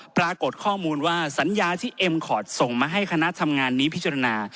ปรากฏข้อมูลว่าสัญญาที่เอ็มคอร์ดส่งมาให้คณะทำงานนี้พิจารณา